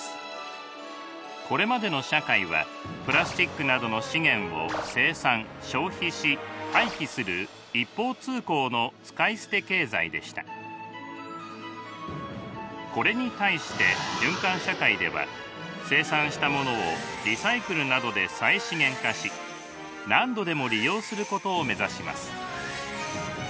これまでの社会はプラスチックなどの資源を生産消費し廃棄する一方通行のこれに対して循環社会では生産したものをリサイクルなどで再資源化し何度でも利用することを目指します。